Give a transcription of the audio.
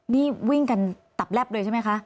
นี่วิ่งกันตับแลบเลยใช่ไหมคะ